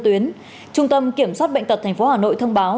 trung tâm kiểm soát bệnh tật thành phố hà nội thông báo